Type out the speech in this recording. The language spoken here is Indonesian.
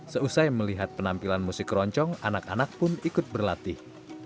seusai melihat penampilan musik keroncong anak anak pun ikut berlatih